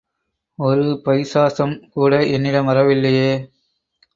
ஒரு பைசாசம் கூட என்னிடம் வரவில்லையே.